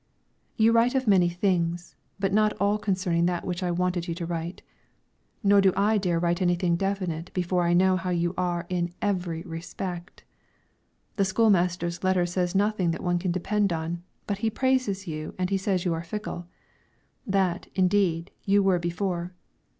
You write of many things, but not at all concerning that of which I wanted you to write. Nor do I dare write anything definite before I know how you are in every respect. The school master's letter says nothing that one can depend on, but he praises you and he says you are fickle. That, indeed, you were before.